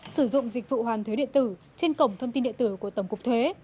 sử dụng dịch vụ hoàn thuế điện tử trên cổng thông tin điện tử của tổng cục thuế